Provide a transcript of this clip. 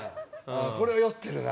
これは酔ってるなぁ。